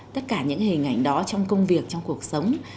tất cả những hình ảnh đó trong công việc trong cuộc sống